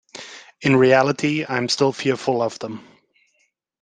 In reality, I am still fearful of them.